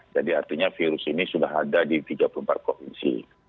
jadi artinya virus ini sudah ada di tiga puluh empat provinsi